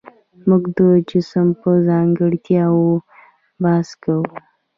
موږ د جسم په ځانګړتیاوو بحث کوو.